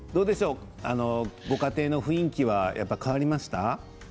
ご家庭の雰囲気は変わりましたか。